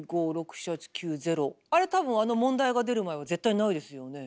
あれ多分あの問題が出る前は絶対ないですよね。